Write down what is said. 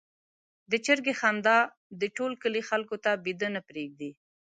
د چرګې خندا د ټول کلي خلکو ته بېده نه پرېږدي.